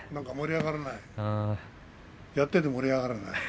何かやっていて盛り上がらない。